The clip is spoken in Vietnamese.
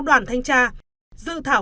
đoàn thanh tra